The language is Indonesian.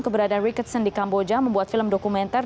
keberadaan ricketson di kamboja membuat film dokumenter